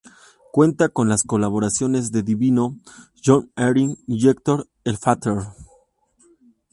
Cuenta con las colaboraciones de Divino, John Eric y Hector El Father.